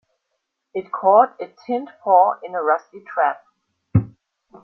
It caught its hind paw in a rusty trap.